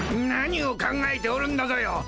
何を考えておるんだぞよ。